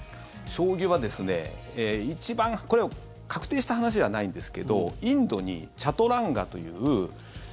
将棋はですね、一番これは確定した話じゃないんですけどインドにチャトランガという。